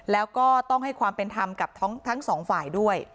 แล้วก็ต้องให้ความเป็นธรรมกับทั้งสองฝ่ายด้วย